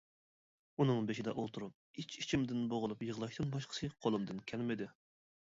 ئۇنىڭ بېشىدا ئولتۇرۇپ ئىچ-ئىچىمدىن بوغۇلۇپ يىغلاشتىن باشقىسى قولۇمدىن كەلمىدى.